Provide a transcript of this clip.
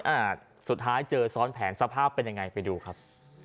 อ่าสุดท้ายเจอซ้อนแผนสภาพเป็นยังไงไปดูครับ